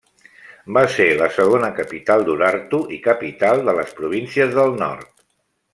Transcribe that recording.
Va ser la segona capital d'Urartu i capital de les províncies del nord.